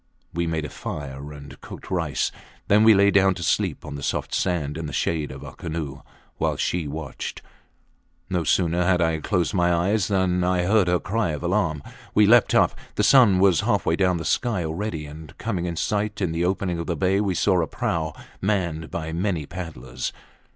We made a fire and cooked rice. Then we lay down to sleep on the soft sand in the shade of our canoe, while she watched. No sooner had I closed my eyes than I heard her cry of alarm. We leaped up. The sun was halfway down the sky already, and coming in sight in the opening of the bay we saw a prau manned by many paddlers.